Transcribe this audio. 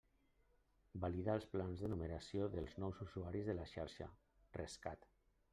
Valida els plans de numeració dels nous usuaris de la xarxa Rescat.